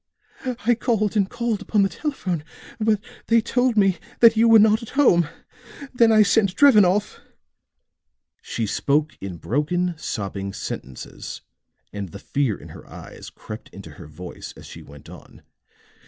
"I called and called upon the telephone, but they told me that you were not at home. Then I sent Drevenoff." She spoke in broken, sobbing sentences; and the fear in her eyes crept into her voice as she went on.